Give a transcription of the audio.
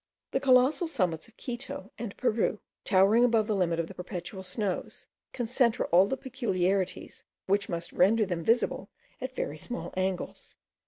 The colossal summits of Quito and Peru, towering above the limit of the perpetual snows, concentre all the peculiarities which must render them visible at very small angles.